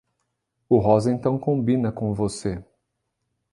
O rosa então combina com você.